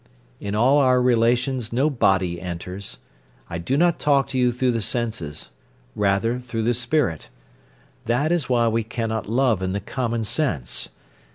In all our relations no body enters. I do not talk to you through the senses—rather through the spirit. That is why we cannot love in the common sense.